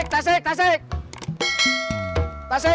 kasih kasih kasih